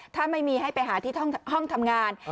ถ้าไม่มีให้ไปหาที่ห้องทำงาน